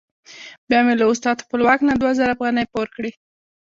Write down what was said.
بیا مې له استاد خپلواک نه دوه زره افغانۍ پور کړې.